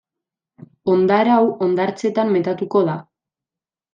Hondar hau hondartzetan metatuko da.